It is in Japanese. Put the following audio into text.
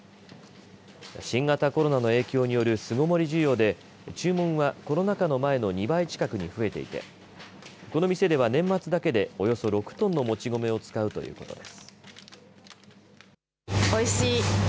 新型コロナの影響による巣ごもり需要で注文は、コロナ禍の前の２倍近くに増えていてこの店では年末だけでおよそ６トンのもち米を使うということです。